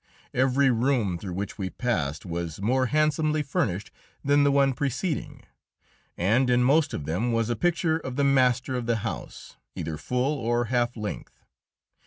Every room through which we passed was more handsomely furnished than the one preceding, and in most of them was a picture of the master of the house, either full or half length.